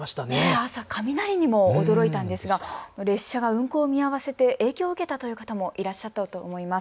朝、雷にも驚いたんですが列車が運行を見合わせて影響を受けたという方もいらっしゃったと思います。